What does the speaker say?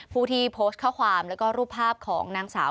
ผู้ที่โพสต์ข้อความแล้วก็รูปภาพของนางสาว